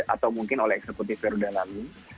atau mungkin oleh eksekutif periode lalu